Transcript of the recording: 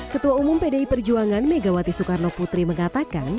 ketua umum pdi perjuangan megawati soekarno putri mengatakan